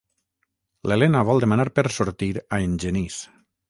L'Elena vol demanar per sortir a en Genís.